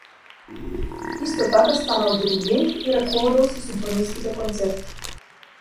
Исто така станал диригент и раководел со симфониските концерти.